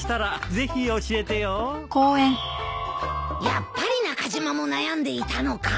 やっぱり中島も悩んでいたのか。